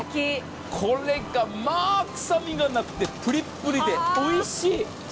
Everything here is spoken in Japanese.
これがまぁ、臭みがなくてプリップリでおいしい。